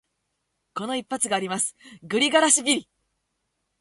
この一発があります、グリガラシビリ。